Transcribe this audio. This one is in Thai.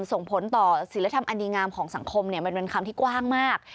ส่งผลต่อศิลธรรมอดีงามของสังคมมันเป็นคำที่กว้างมาก